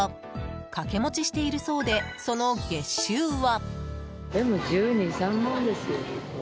掛け持ちしているそうでその月収は。